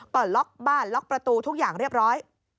ก็ล็อกบ้านล็อกประตูทุกอย่างเรียบร้อย